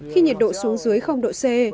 khi nhiệt độ xuống dưới độ c